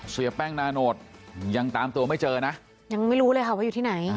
เสียแป้งนาโนตยังตามตัวไม่เจอนะยังไม่รู้เลยค่ะว่าอยู่ที่ไหน